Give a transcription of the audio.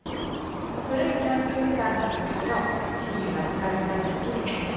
古いキャンピングカーなんですけど主人が昔から好きで。